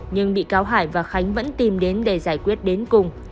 nhưng bị cáo hải và khánh vẫn tìm đến để giải quyết đến cùng